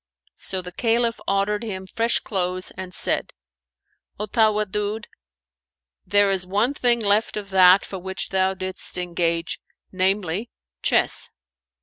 So the Caliph ordered him fresh clothes and said, "O Tawaddud, there is one thing left of that for which thou didst engage, namely, chess."